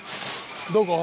どこ？